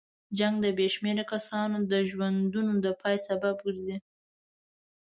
جنګ د بې شمېره کسانو د ژوندونو د پای سبب ګرځي.